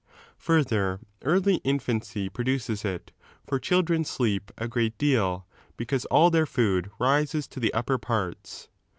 Further, early infancy produces it ; for children sleep a great deal because all 12 their food rises to the upper parts.